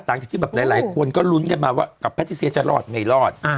หลังจากที่แบบหลายคนก็ลุ้นกันมาว่ากับแพทิเซียจะรอดไม่รอด